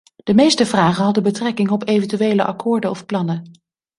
De meeste vragen hadden betrekking op eventuele akkoorden of plannen.